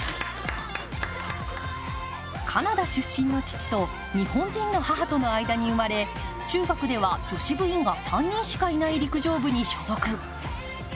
カナダ出身の父と日本人の母との間に生まれ中学では女子部員が３人しかいない陸上部に所属。